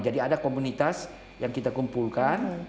jadi ada komunitas yang kita kumpulkan